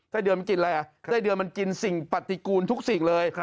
เดือนมันกินอะไรอ่ะได้เดือนมันกินสิ่งปฏิกูลทุกสิ่งเลย